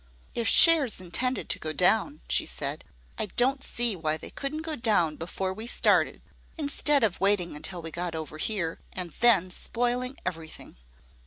"If shares intended to go down," she said, "I don't see why they couldn't go down before we started, instead of waiting until we got over here, and then spoiling every thing."